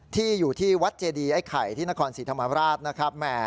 ที่อยู่ที่วัดเจดีไอ้ไข่ที่นครศรีธรรมราชนะครับ